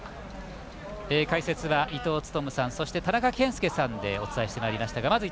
解説は伊東勤さんそして田中賢介さんでお伝えしてまいりました。